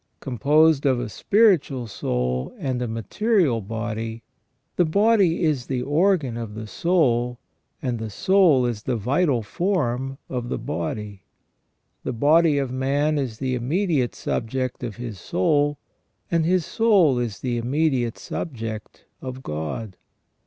Composed of a spiritual soul and a material body, the body is the organ of the soul and the soul is the vital form of the body. The body of man is the immediate subject of his soul, and his soul is the immediate subject of God.